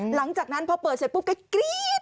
หลังจากนั้นพอเปิดเสร็จปุ๊บก็กรี๊ด